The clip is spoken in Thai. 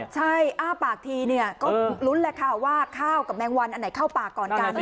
ใช่อ้าปากทีเนี่ยก็ลุ้นแหละค่ะว่าข้าวกับแมงวันอันไหนเข้าปากก่อนกัน